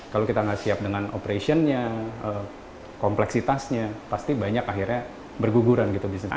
kalau kita nggak siap dengan operationnya kompleksitasnya pasti banyak akhirnya berguguran gitu bisnisnya